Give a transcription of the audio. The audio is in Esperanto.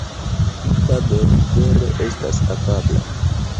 Vi tamen vere estas afabla.